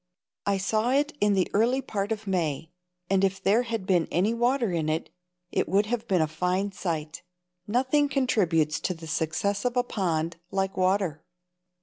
I saw it in the early part of May, and if there had been any water in it, it would have been a fine sight. Nothing contributes to the success of a pond like water.